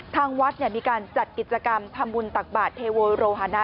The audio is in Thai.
ทางวัดมีการจัดกิจกรรมทำบุญตักบาทเทโวโรฮนะ